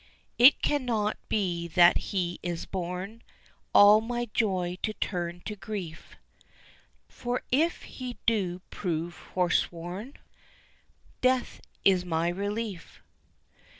It cannot be that he is born All my joy to turn to grief, For if he do prove forsworn Death is my relief.